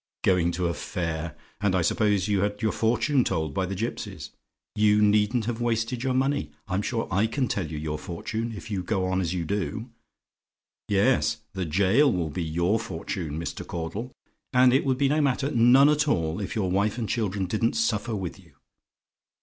"Going to a fair! and I suppose you had your fortune told by the gipsies? You needn't have wasted your money. I'm sure I can tell you your fortune if you go on as you do. Yes, the gaol will be your fortune, Mr. Caudle. And it would be no matter none at all if your wife and children didn't suffer with you.